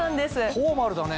フォーマルだね。